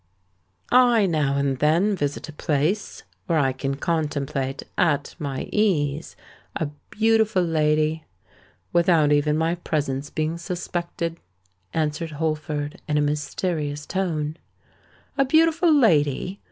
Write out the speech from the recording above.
"I now and then visit a place where I can contemplate, at my ease, a beautiful lady—without even my presence being suspected," answered Holford, in a mysterious tone. "A beautiful lady!